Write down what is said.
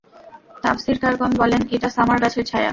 তাফসীরকারগণ বলেন, এটা সামার গাছের ছায়া।